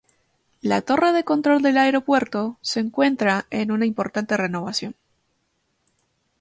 La torre de control del aeropuerto se encuentra en una importante renovación.